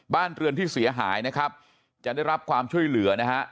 บ้านเรือนที่เสียหายนะครับจะได้รับความช่วยเหลือนะฮะ